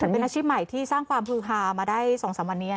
แต่เป็นอาชีพใหม่ที่สร้างความฮือฮามาได้๒๓วันนี้